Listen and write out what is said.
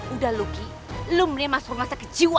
udah luki lu mending masuk rumah sakit jiwa